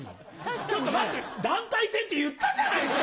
ちょっと待って団体戦って言ったじゃないすか。